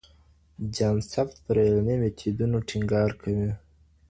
جان سبت پر علمي میتودونو ټینګار کوي.